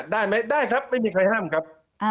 ได้ไหมได้ครับไม่มีใครห้ามครับ